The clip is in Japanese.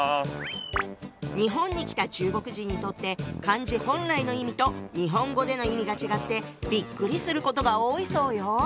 日本に来た中国人にとって漢字本来の意味と日本語での意味が違ってびっくりすることが多いそうよ。